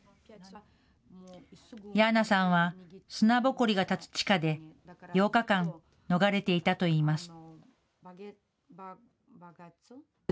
ヤーナさんは砂ぼこりが立つ地下で８日間、逃れていたといいます。